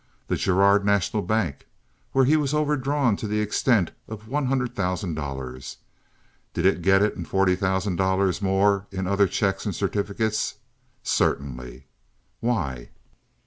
The Girard National Bank, where he was overdrawn to the extent of one hundred thousand dollars! Did it get it and forty thousand dollars more in other checks and certificates? Certainly. Why?